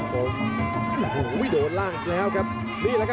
โหโหโหโหโหโหโหโหโหโหโหโหโห